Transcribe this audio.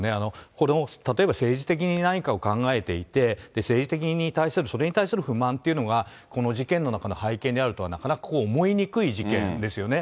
これも例えば、政治的に何かを考えていて、政治的に対する、それに対する不満っていうのが、この事件の中の背景にあるとはなかなか思いにくい事件ですよね。